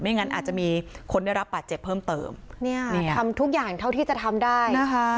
งั้นอาจจะมีคนได้รับบาดเจ็บเพิ่มเติมเนี่ยทำทุกอย่างเท่าที่จะทำได้นะคะ